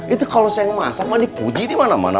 itu kalau saya masak mah dipuji di mana mana